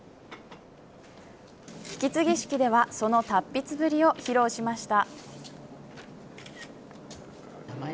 引き継ぎ式ではその達筆ぶりを披露しました。